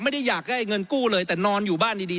ไม่ได้อยากได้เงินกู้เลยแต่นอนอยู่บ้านดี